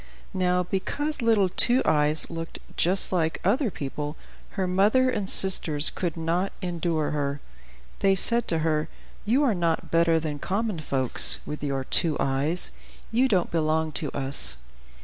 Now because little Two Eyes looked just like other people, her mother and sisters could not endure her. They said to her, "You are not better than common folks, with your two eyes; you don't belong to us."